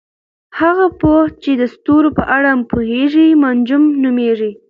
هغه پوه چې د ستورو په اړه پوهیږي منجم نومیږي.